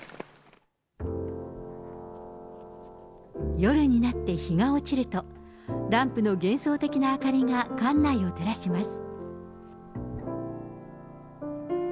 夜になって日が落ちると、ランプの幻想的な明かりが館内を照らします。